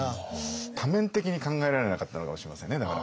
多面的に考えられなかったのかもしれませんねだから。